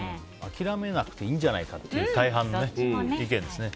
諦めなくていいんじゃないかっていう大半の意見ですね。